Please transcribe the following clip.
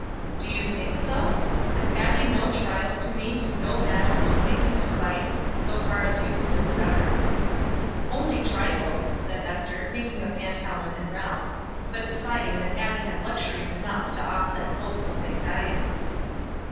"Do you think so? Has Abbie no trials to meet, no battles with Satan to fight, so far as you can discover?" "Only trifles," said Ester, thinking of Aunt Helen and Ralph, but deciding that Abbie had luxuries enough to offset both these anxieties.